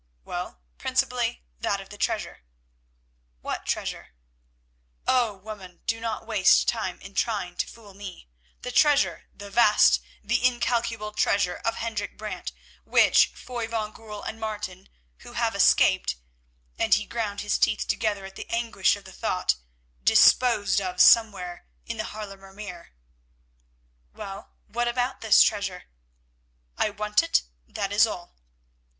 "Well, principally that of the treasure." "What treasure?" "Oh! woman, do not waste time in trying to fool me. The treasure, the vast, the incalculable treasure of Hendrik Brant which Foy van Goorl and Martin, who have escaped"—and he ground his teeth together at the anguish of the thought—"disposed of somewhere in the Haarlemer Meer." "Well, what about this treasure?" "I want it, that is all."